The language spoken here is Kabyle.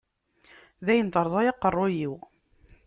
Dayen, terẓa-yi aqerru-iw.